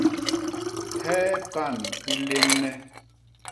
Hee pan i léñne?